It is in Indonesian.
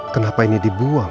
kenapa ini dibuang